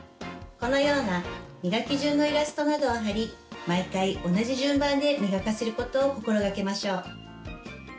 このような磨き順のイラストなどを貼り毎回同じ順番で磨かせることを心がけましょう。